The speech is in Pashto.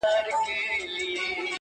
زړه مي دي خاوري سي ډبره دى زړگى نـه دی.